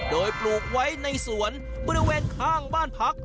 โดยปลูกไว้ในสวนบริเวณข้างบ้านพัก